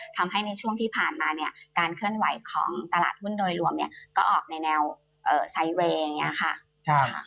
ทำให้ในช่วงที่ผ่านมาเนี่ยการเคลื่อนไหวของตลาดหุ้นโดยรวมเนี่ยก็ออกในแนวไซเวย์อย่างนี้ค่ะ